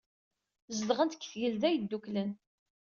Zedɣent deg Tgelda Yedduklen.